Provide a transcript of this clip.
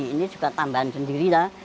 ini juga tambahan sendiri lah